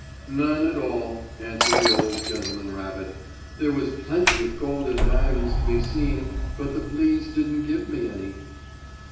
"None at all," answered the old gentleman rabbit. "There was plenty of gold and diamonds to be seen, but the fleas didn't give me any."